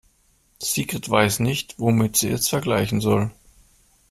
Sigrid weiß nicht, womit sie es vergleichen soll.